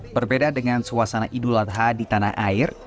berbeda dengan suasana idul adha di tanah air